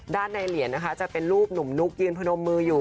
ในเหรียญนะคะจะเป็นรูปหนุ่มนุ๊กยืนพนมมืออยู่